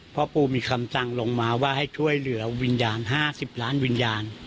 พ่อปู่มีคำสั่งลงมาว่าให้ช่วยเหลือวิญญาณ๕๐ล้านวิญญาณ